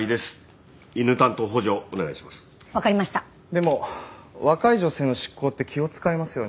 でも若い女性の執行って気を使いますよね。